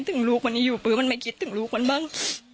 ถึงลูกวันนี้อยู่ปื้อมันไม่คิดถึงลูกมันบ้าง